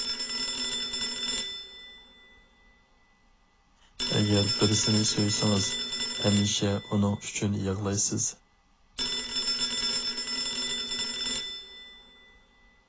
ئەگەر بىرسىنى سۆيسىڭىز، ھەمىشە ئۇنىڭ ئۈچۈن يىغلايسىز.